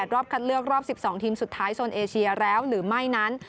รอบคัดเลือกรอบ๑๒ทีมสุดท้ายโซนเอเชียแล้วหรือไม่นั้น